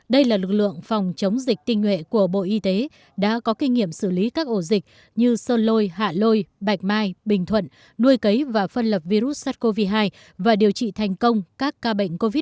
đây là lực lượng phòng chống dịch tinh nguyện của bộ y tế đã có kinh nghiệm xử lý các ổ dịch như sơn lôi hạ lôi bạch mai bình thuận nuôi cấy và phân lập virus sars cov hai và điều trị thành công các ca bệnh covid một mươi chín